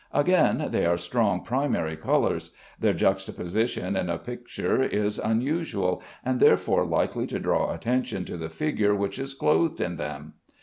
Again, they are strong primary colors; their juxtaposition in a picture is unusual, and therefore likely to draw attention to the figure which is clothed in them.